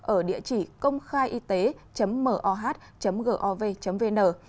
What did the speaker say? ở địa chỉ côngkhaiyt moh gov vn